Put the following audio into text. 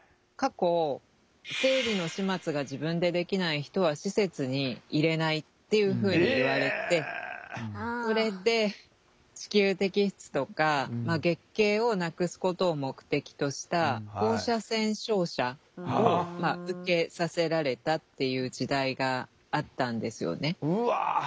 過去生理の始末が自分でできない人は施設に入れないっていうふうに言われてそれで子宮摘出とか月経をなくすことを目的とした放射線照射を受けさせられたっていう時代があったんですよね。